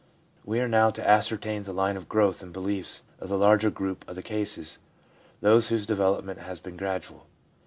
We are now to ascertain the line of growth in beliefs of the other large group of the cases, those whose de velopment has been gradual.